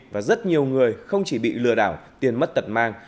và rất nhiều người không chỉ bị lừa đảo tiền mất tật mang